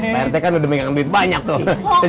pak rete kan udah menganggap duit banyak tuh